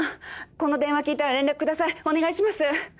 この電話聞いたら連絡下さいお願いします。